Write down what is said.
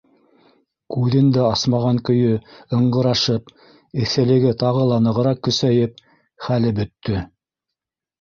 Күҙен дә асмаған көйө ыңғырашып, эҫелеге тағы ла нығыраҡ көсәйеп, хәле бөттө.